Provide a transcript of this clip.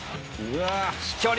飛距離